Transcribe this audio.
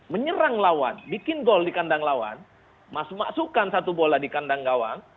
menyerang lawan bikin gol di kandang lawan masukkan satu bola di kandang gawang